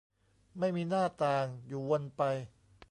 ไม่มีหน้าต่าง อยู่วนไป